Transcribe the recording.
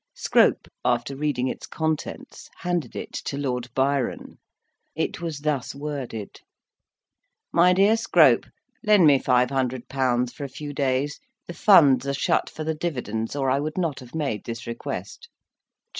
Scrope, after reading its contents, handed it to Lord Byron. It was thus worded: "MY DEAR SCROPE, Lend me 500£. for a few days; the funds are shut for the dividends, or I would not have made this request.